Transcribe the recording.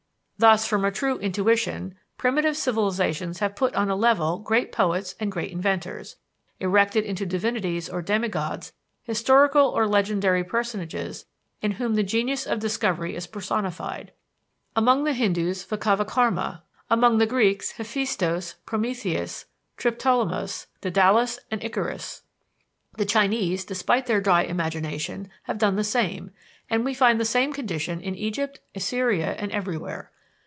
Thus, from a true intuition, primitive civilizations have put on a level great poets and great inventors, erected into divinities or demi gods historical or legendary personages in whom the genius of discovery is personified: among the Hindoos, Vicavakarma; among the Greeks, Hephaestos, Prometheus, Triptolemus, Daedalus and Icarus. The Chinese, despite their dry imagination, have done the same; and we find the same condition in Egypt, Assyria, and everywhere.